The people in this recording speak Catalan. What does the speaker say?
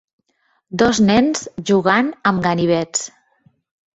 Dos nens jugant amb ganivets.